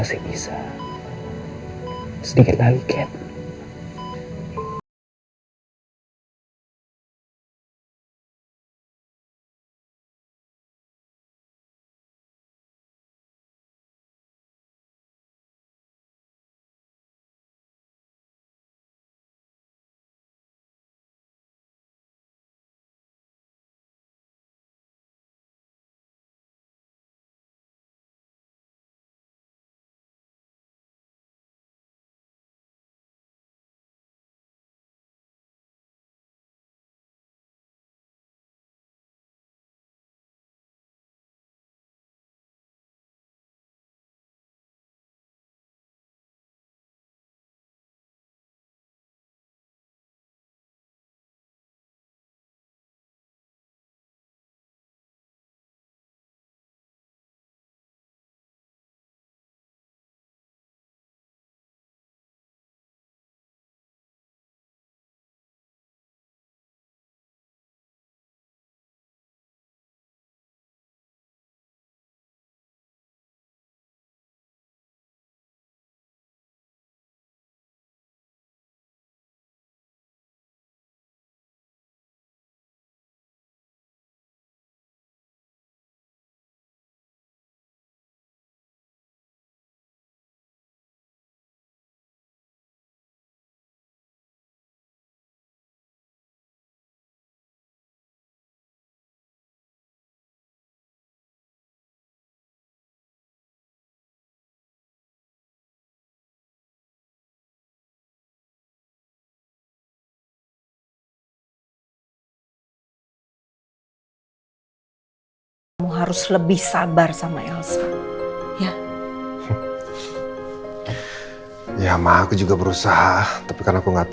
saya senang sekali kat